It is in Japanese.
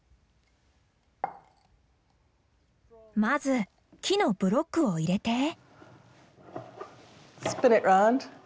まず木のブロックを入れて。